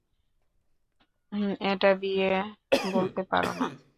এটা বিয়ে বলতে পারো না।